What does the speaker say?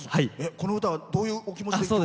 この歌はどういうお気持ちで？